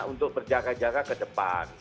untuk berjaga jaga ke depan